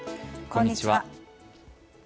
こんにちは。